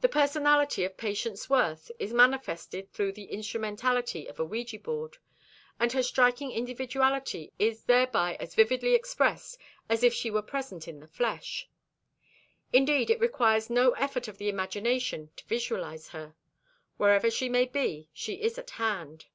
The personality of Patience Worth is manifested through the instrumentality of a ouija board, and her striking individuality is thereby as vividly expressed as if she were present in the flesh. Indeed, it requires no effort of the imagination to visualize her. Whatever she may be, she is at hand.